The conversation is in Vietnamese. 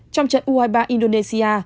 trong trận u hai mươi ba indonesia